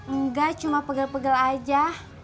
enggak cuma pegel pegel aja